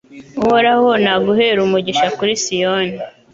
Uhoraho naguhere umugisha kuri Siyoni